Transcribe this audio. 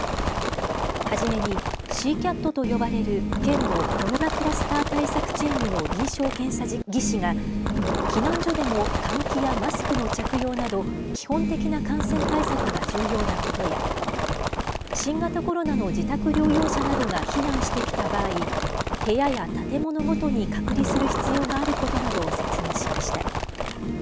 はじめにＣ−ＣＡＴと呼ばれる県のコロナクラスター対策チームの臨床検査技師が避難所でも換気やマスクの着用など基本的な感染対策が重要なことや新型コロナの自宅療養者などが避難してきた場合、部屋や建物ごとに隔離する必要があることなどを説明しました。